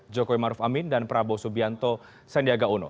jokowi maruf amin dan prabowo subianto sandiaga uno